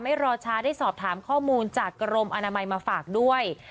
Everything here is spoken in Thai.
รอช้าได้สอบถามข้อมูลจากกรมอนามัยมาฝากด้วย